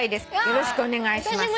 「よろしくお願いします」